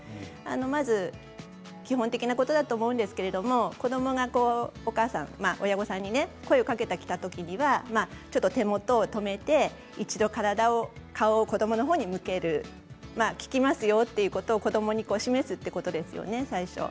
まず基本的なことだと思うんですけれど子どもが親御さんに声をかけてきたときにはちょっと手元を止めて、一度体を、顔を子どものほうに向ける聞きますよということを子どもに示すということですよね、最初。